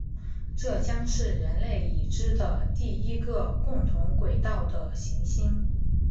这将是人类已知的第一个共同轨道的行星。